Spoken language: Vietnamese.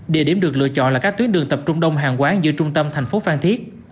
địa điểm được lựa chọn là các tuyến đường tập trung đông hàng quán giữa trung tâm thành phố phan thiết